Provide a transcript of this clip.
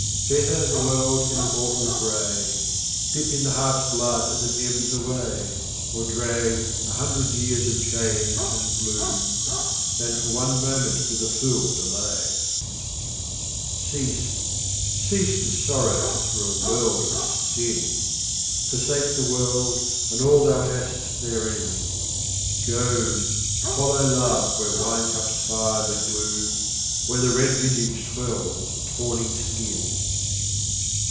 41 Better the whole world in a mortar bray, Dip in the heart's blood as it ebbs away, Or drag a hundred years of chains and gloom, Than for one moment with a fool delay. 42 Cease, cease to sorrow for a world of sin ; Forsake the world and all thou hast therein. Go ! follow Love where wine cups fire the gloom, Where the red vintage swells the tawny skin.